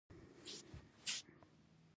کۀ ضرورت وي نو ټول وجود دې تاو کړے شي -